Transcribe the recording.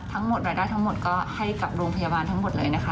ทั้งหมดรายได้ทั้งหมดก็ให้กับโรงพยาบาลทั้งหมดเลยนะคะ